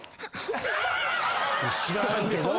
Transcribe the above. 知らんけど。